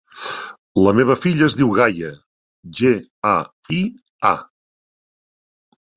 La meva filla es diu Gaia: ge, a, i, a.